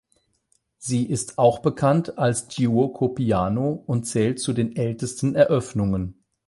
Sie ist auch bekannt als Giuoco piano und zählt zu den ältesten Eröffnungen.